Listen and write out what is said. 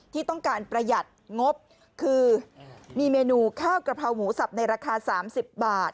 ที่ต้องการประหยัดงบคือมีเมนูข้าวกระเพราหมูสับในราคา๓๐บาท